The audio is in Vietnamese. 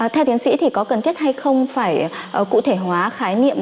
theo tiến sĩ thì có cần thiết hay không phải cụ thể hóa khái niệm